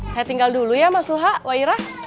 saya tinggal dulu ya mas suha wah irah